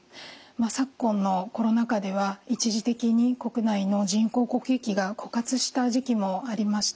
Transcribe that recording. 昨今のコロナ禍では一時的に国内の人工呼吸器が枯渇した時期もありました。